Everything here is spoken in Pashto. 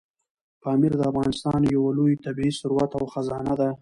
پامیر د افغانستان یو لوی طبعي ثروت او خزانه ده.